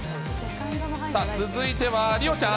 続いては梨央ちゃん。